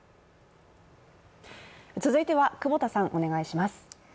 続いては久保田さん、お願いします。